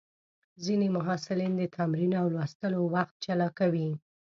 ځینې محصلین د تمرین او لوستلو وخت جلا کوي.